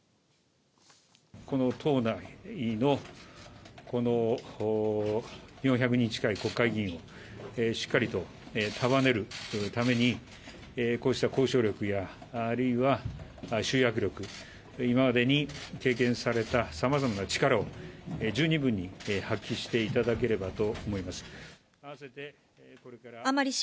この党内の４００人近い国会議員をしっかりと束ねるために、こうした交渉力や、あるいは集約力、今までに経験されたさまざまな力を十二分に発揮していただければと思います。